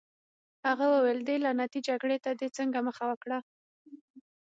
هغه وویل: دې لعنتي جګړې ته دې څنګه مخه وکړه؟